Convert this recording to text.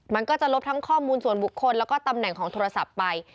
มันก็จะลบทั้งข้อมูลส่วนบุคคลแล้วก็ตำแหน่งของโทรศัพท์ไป